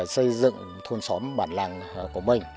xây dựng thôn xóm bản làng của mình